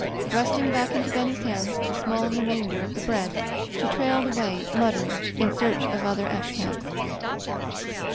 Thrusting back into Benny's hands the small remainder of the bread, she trailed away, muttering, in search of other ash cans.